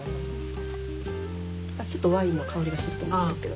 ちょっとワインの香りがすると思うんですけど。